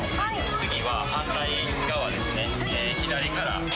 次は反対側ですね。